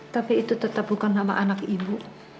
tapi itu tetap bukan nama anak ibu